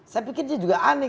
saya pikir dia juga aneh